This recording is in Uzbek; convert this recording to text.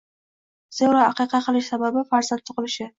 Zero, aqiqa qilish sababi – farzand tug‘ilishi.